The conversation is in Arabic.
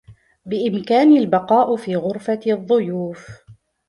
بإمكاني البقاء في غرفة الضيوف.